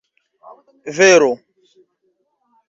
vero